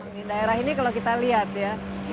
di daerah ini kalau kita lihat ya